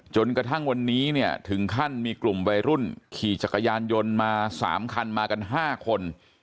จนกระทั่งวันนี้เนี่ยถึงขั้นมีกลุ่มวัยรุ่นขี่จักรยานยนต์มา๓คันมากัน๕คน